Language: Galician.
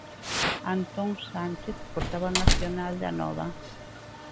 Antón Sánchez, portavoz nacional de Anova.